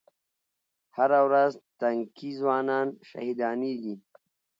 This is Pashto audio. هره ورځ تنکي ځوانان شهیدانېږي